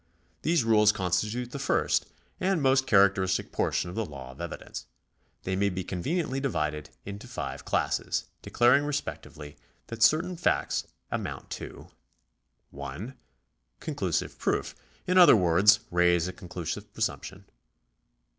These rules constitute the first and most characteristic portion of the law of evidence. They may be conveniently divided into five classes, declaring respectively that certain facts amount to :— 1. Conclusive proof — in other words, raise a conclusive presumption ; 2.